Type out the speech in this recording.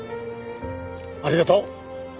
ありがとう。